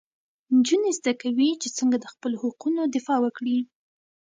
نجونې زده کوي چې څنګه د خپلو حقونو دفاع وکړي.